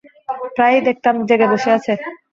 প্রায়ই দেখতাম জেগে বসে আছে।